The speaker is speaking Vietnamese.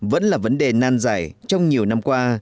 vẫn là vấn đề nan giải trong nhiều năm qua